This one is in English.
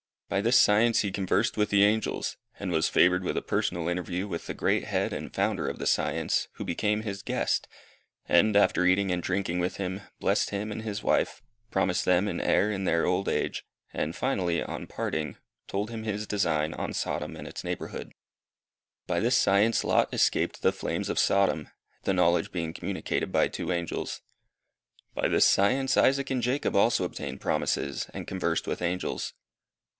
By this science he conversed with angels, and was favoured with a personal interview with the Great Head and Founder of the science, who became his guest, and, after eating and drinking with him, blessed him and his wife, promised them an heir in their old age, and finally, on parting, told him His design on Sodom and its neighbourhood. By this science Lot escaped the flames of Sodom, the knowledge being communicated by two angels. By this science Isaac and Jacob also obtained promises, and conversed with angels.